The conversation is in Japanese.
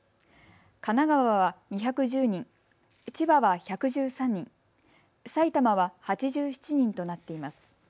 神奈川は２１０人、千葉は１１３人、埼玉は８７人となっています。